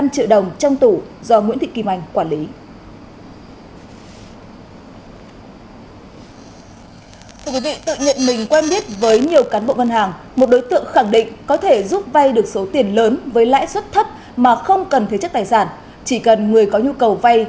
ba trăm ba mươi năm triệu đồng trong tủ do nguyễn thị kim anh quản lý